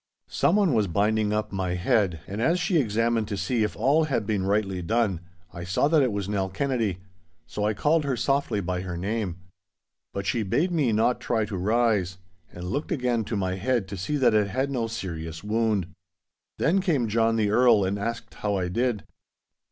Someone was binding up my head; and as she examined to see if all had been rightly done, I saw that it was Nell Kennedy. So I called her softly by her name. But she bade me not try to rise; and looked again to my head to see that it had no serious wound. Then came John the Earl and asked how I did.